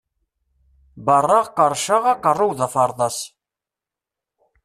Berraɣ qerrceɣ, aqerru-w d aferḍas!